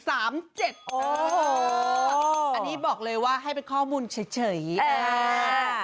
อันนี้บอกเลยว่าให้เป็นข้อมูลเฉยอ่า